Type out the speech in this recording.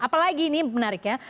apalagi ini menarik ya